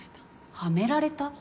はめられた？